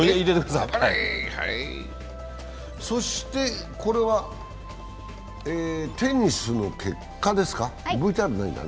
そしてこれはテニスの結果ですか。